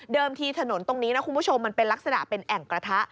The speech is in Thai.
ที่ถนนตรงนี้นะคุณผู้ชมมันเป็นลักษณะเป็นแอ่งกระทะ